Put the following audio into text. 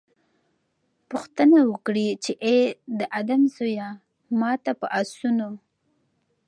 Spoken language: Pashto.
پوښتنه وکړي چې اې د آدم زويه! ما ته په آسونو